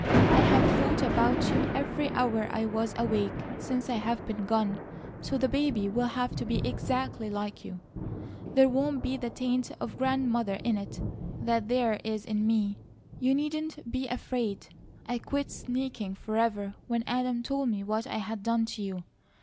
I have thought about you every hour I was awake since I have been gone; so the baby will have to be exactly like you. There won't be the taint of Grandmother in it that there is in me. You needn't be afraid. I quit sneaking forever when Adam told me what I had done to you.